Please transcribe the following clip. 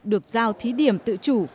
được giao thí điểm tự chủ